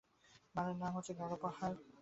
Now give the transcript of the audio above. পাহাড়ের নাম হচ্ছে গারো পাহাড়।